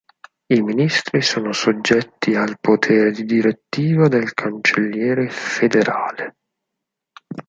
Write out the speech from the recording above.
I Ministri sono soggetti al potere di direttiva del Cancelliere federale.